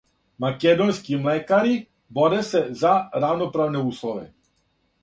Македонски млекари боре се за равноправне услове.